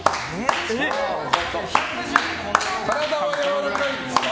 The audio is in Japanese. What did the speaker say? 体はやわらかいですか？